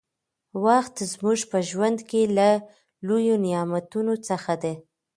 وخت زموږ په ژوند کې له لويو نعمتونو څخه دى.